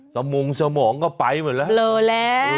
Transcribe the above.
สมองก็ไปเหมือนแหละ